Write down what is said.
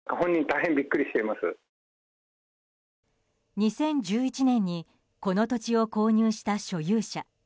２０１１年にこの土地を購入した所有者。